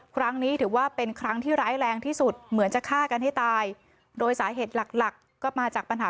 ครั้งนี้ถือว่าเป็นครั้งที่ร้ายแรงที่สุดเหมือนจะฆ่ากันให้ตาย